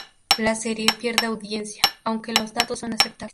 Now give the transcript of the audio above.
La serie pierde audiencia, aunque los datos son aceptables.